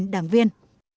một đảng viên